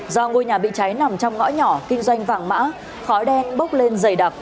do ngôi nhà bị cháy nằm trong ngõ nhỏ kinh doanh vàng mã khói đen bốc lên dày đặc